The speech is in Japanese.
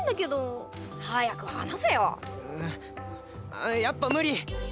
あやっぱ無理！